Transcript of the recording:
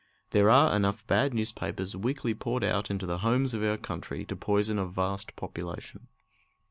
There are enough bad newspapers weekly poured out into the homes of our country to poison a vast population.